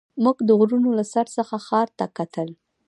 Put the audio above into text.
موږ د غرونو له سر څخه ښار ته کتل.